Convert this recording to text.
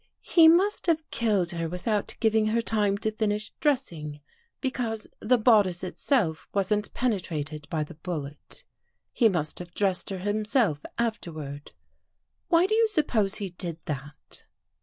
" He must have killed her without giving her time to finish dressing, because the bodice itself wasn't penetrated by the bullet. He must have dressed her himself afterward. Why do you sup pose he did that?